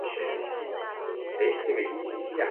在港则法上称为京滨港横滨区。